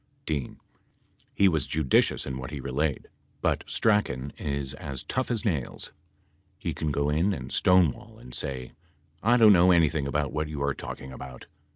D. He was judicious in what he relayed, but Strachan is as tough as nails. He can go in and stonewall and. say,?'/ don't know anything about what you are talking about.'"